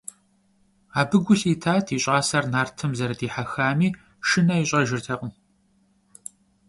Абы гу лъитат и щӀасэр нартым зэрыдихьэхами, шынэ ищӀэжыртэкъым.